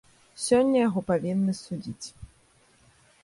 Сёння яго павінны судзіць.